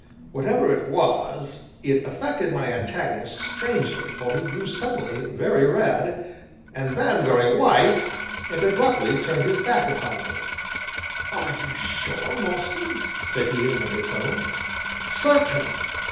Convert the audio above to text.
Whatever it was it affected my antagonist strangely, for he grew suddenly very red, and then very white, and abruptly turned his back upon me. "Are you sure, Mostyn?" said he in an undertone. "Certain."